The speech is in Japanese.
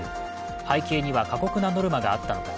背景には過酷なノルマがあったのか。